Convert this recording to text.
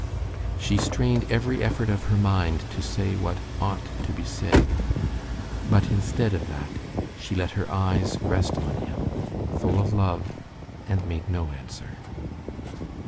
She strained every effort of her mind to say what ought to be said. But instead of that she let her eyes rest on him, full of love, and made no answer.